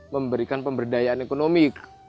memberikan pemberdayaan ekonomi